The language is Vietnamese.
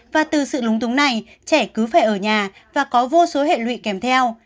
và từ sự lúng túng này trẻ cứ phải ở nhà và có vô số hệ lụy kèm theo